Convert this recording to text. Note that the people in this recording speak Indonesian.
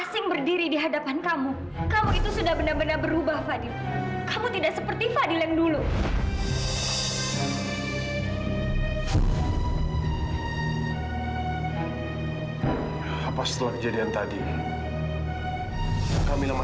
sampai jumpa di video selanjutnya